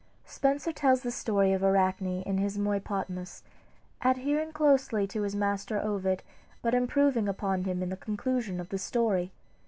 Spenser tells the story of Arachne in his "Muiopotmos," adhering very closely to his master Ovid, but improving upon him in the conclusion of the story.